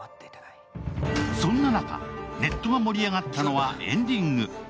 そんな中、ネットが盛り上がったのはエンディング。